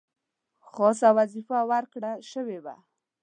خاصه وظیفه ورکړه شوې وه.